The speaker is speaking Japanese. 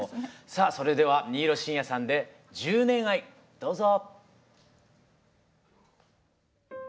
さあそれでは新納慎也さんで「１０年愛」どうぞ。